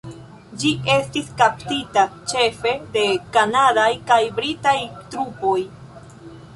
Ĝi estis kaptita ĉefe de kanadaj kaj britaj trupoj.